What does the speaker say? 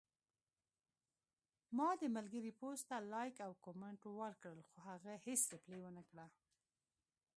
ما د ملګري پوسټ ته لایک او کمنټ ورکړل، خو هغه هیڅ ریپلی ونکړه